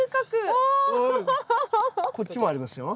こっちもありますよ。